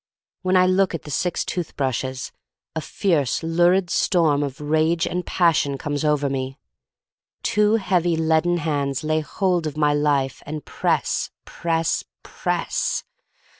When I look at the six tooth brushes a fierce, lurid storm of rage and passion comes over me. Two heavy leaden hands lay hold of my life and press, press, press.